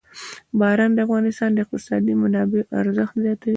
باران د افغانستان د اقتصادي منابعو ارزښت زیاتوي.